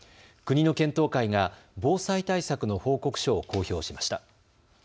国の検討会が防災対策の報告書を公表しました。